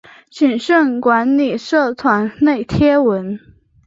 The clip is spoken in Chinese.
谨慎管理社团内贴文